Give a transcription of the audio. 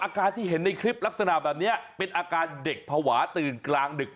อาการที่เห็นในคลิปลักษณะแบบนี้เป็นอาการเด็กภาวะตื่นกลางดึก